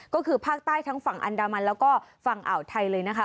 ก็คือภาคใต้ทั้งฝั่งอันดามันแล้วก็ฝั่งอ่าวไทยเลยนะคะ